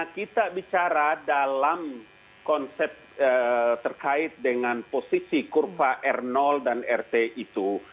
kita bicara dalam konsep terkait dengan posisi kurva r dan rt itu